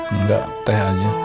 nggak teh aja